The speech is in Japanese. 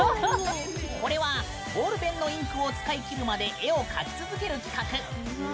これはボールペンのインクを使い切るまで絵を描き続ける企画。